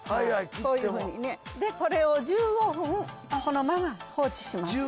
こういうふうにねでこれを１５分このまま放置します